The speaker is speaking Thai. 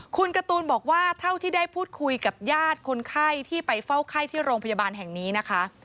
คุณการ์ตูนบอกว่าเท่าที่ได้พูดคุยกับญาติคนไข้ที่ไปเฝ้าไข้ที่โรงพยาบาลแห่งนี้นะคะ